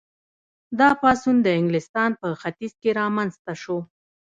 دا پاڅون د انګلستان په ختیځ کې رامنځته شو.